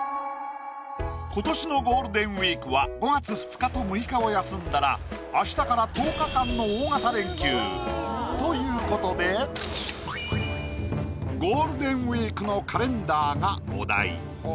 今年のゴールデンウイークは５月２日と６日を休んだら明日からということでゴールデンウイークのカレンダーがお題。